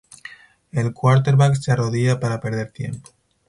El quarterback se arrodilla para perder tiempo.